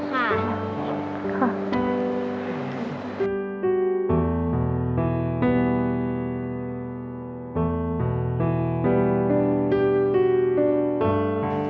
ขอบคุณครับ